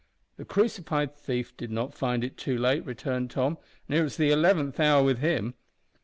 "The crucified thief did not find it too late," returned Tom, "and it was the eleventh hour with him."